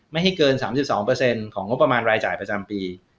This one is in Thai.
ไม่ให้เกิน๓๒ของงบประมาณรายจ่ายประจำปี